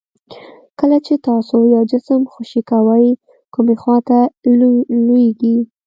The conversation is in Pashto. کله چې تاسو یو جسم خوشې کوئ کومې خواته لویږي؟